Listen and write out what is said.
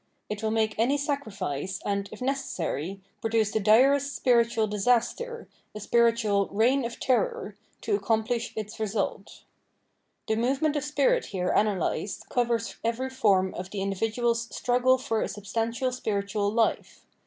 It will make any sacrifice, and, if necessary, produce the direst spiritual disaster, a spiritual ''reign of terror," to accomplish its result. The movement of spirit here analysed covers every form of the in dividual's "struggle for a substantial spiritual life."